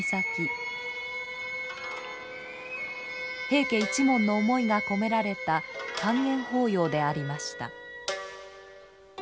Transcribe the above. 平家一門の思いが込められた管弦法要でありました。